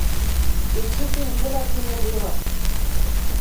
Эче тенгелӓ ценьӹделыт